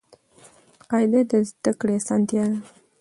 قاعده د زده کړي اسانتیا ده.